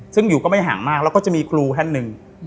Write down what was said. ซึ่งอยู่ก็ไม่ห่างมากแล้วก็จะมีครูท่านหนึ่ง